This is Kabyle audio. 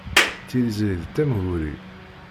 Tiliẓri d tamguri.